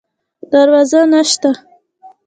دروازه نشته